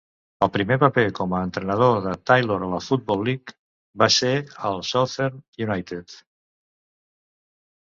El primer paper com a entrenador de Taylor a la Football League va ser al Southend United.